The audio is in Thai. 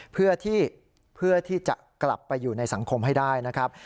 เพื่อที่จะกลับไปอยู่ในสังคมให้ได้นะครับ